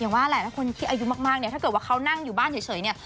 อย่างว่าหลายคนที่อายุมากถ้าเกิดว่าเขานั่งอยู่บ้านเฉย